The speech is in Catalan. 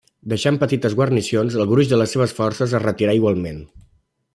Deixant petites guarnicions, el gruix de les seves forces es retirà igualment.